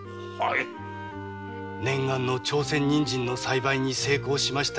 念願の朝鮮人参の栽培に成功しました